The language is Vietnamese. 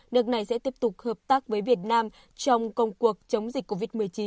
nước này sẽ tiếp tục hợp tác với việt nam trong công cuộc chống dịch covid một mươi chín